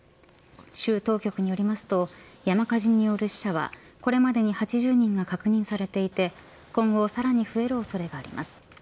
州当局によりますと山火事による死者はこれまでに８０人が確認されていて今後さらに増える恐れがあります。